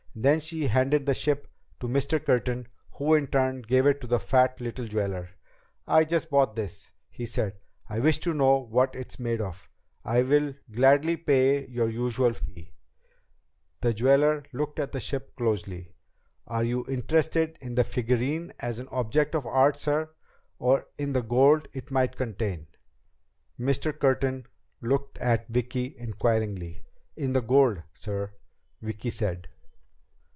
Then she handed the ship to Mr. Curtin who in turn gave it to the fat little jeweler. "I just bought this," he said. "I wish to know what it is made of. I will gladly pay your usual fee." The jeweler looked at the ship closely. "Are you interested in the figurine as an object of art, sir, or in the gold it might contain?" Mr. Curtin looked at Vicki inquiringly. "In the gold, sir," Vicki said.